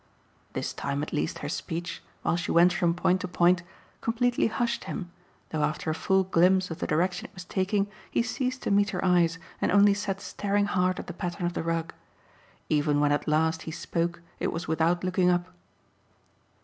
This time at least her speech, while she went from point to point, completely hushed him, though after a full glimpse of the direction it was taking he ceased to meet her eyes and only sat staring hard at the pattern of the rug. Even when at last he spoke it was without looking up.